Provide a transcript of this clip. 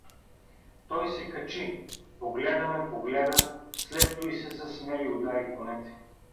Той се качи, погледа ме, погледа, след туй се засмя и удари конете.